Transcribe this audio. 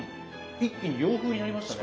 一気に洋風になりましたね。